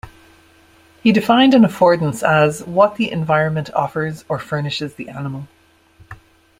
He defined an affordance as what the environment offers or furnishes the animal.